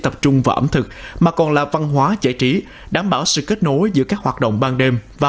tập trung vào ẩm thực mà còn là văn hóa giải trí đảm bảo sự kết nối giữa các hoạt động ban đêm và